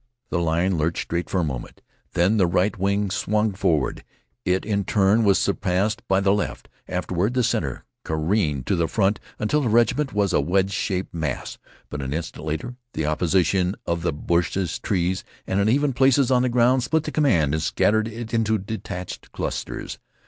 The line lurched straight for a moment. Then the right wing swung forward; it in turn was surpassed by the left. Afterward the center careered to the front until the regiment was a wedge shaped mass, but an instant later the opposition of the bushes, trees, and uneven places on the ground split the command and scattered it into detached clusters.